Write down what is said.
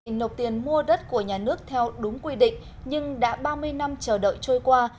nộp tiền mua đất của nhà nước theo đúng quy định nhưng đã ba mươi năm chờ đợi trôi qua